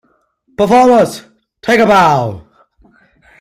Performers, take a bow!